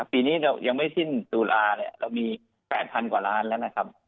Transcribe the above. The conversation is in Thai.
ปีนี้เรายังไม่สิ้นตุลาเนี่ยเรามี๘๐๐กว่าล้านแล้วนะครับ